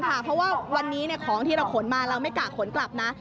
เพราะว่าวันนี้ของที่เราขนมาเราไม่กะขนกลับนะ